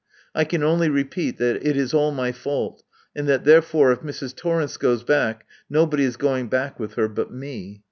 I can only repeat that it is all my fault, and that therefore, if Mrs. Torrence goes back, nobody is going back with her but me.